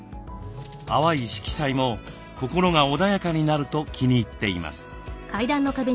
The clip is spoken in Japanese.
淡い色彩も心が穏やかになると気に入っています。